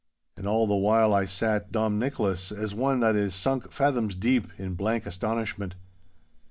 And all the while I sat Dom Nicholas as one that is sunk fathoms deep in blank astonishment.